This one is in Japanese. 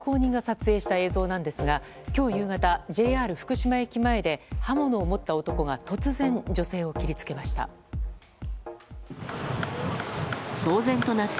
そして、事件直後通行人が撮影した映像ですが今日夕方ＪＲ福島駅前で刃物を持った男が突然女性を切りつけました。